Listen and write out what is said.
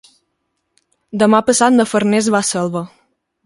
Demà passat na Farners va a Selva.